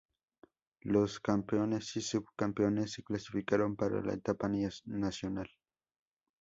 Los campeones y subcampeones se clasificaron para la Etapa nacional.